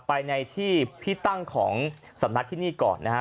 ไปในที่ที่ตั้งของสำนักที่นี่ก่อนนะฮะ